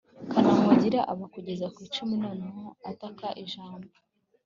kanamugire abara kugeza ku icumi noneho ataka jabo